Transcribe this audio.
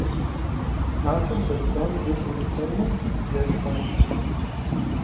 Махуэр зэрыкӀуам гу лъимытэурэ, жэщ хъуащ.